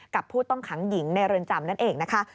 ผู้ต้องขังหญิงในเรือนจำนั่นเองนะคะ